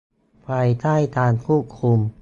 ภายใต้การควบคุม